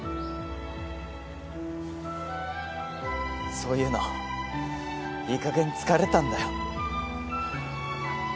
そういうのいいかげん疲れたんだよ。